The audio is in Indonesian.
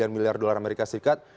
sembilan miliar dolar amerika serikat